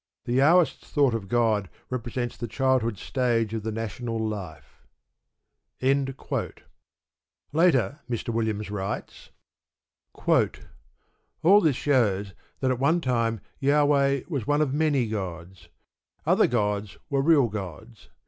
The Jahwist's thought of God represents the childhood stage of the national life. Later, Mr. Williams writes: All this shows that at one time Jahweh was one of many gods; other gods were real gods.